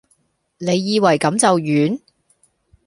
你以為咁就完?